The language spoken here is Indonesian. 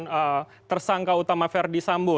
di tangan tersangka utama verdi sambo